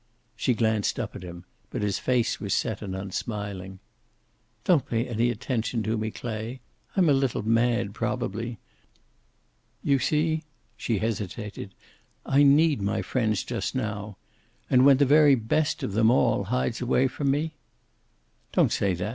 She glanced up at him, but his face was set and unsmiling. "Don't pay any attention to me, Clay. I'm a little mad, probably. You see" she hesitated "I need my friends just now. And when the very best of them all hides away from me?" "Don't say that.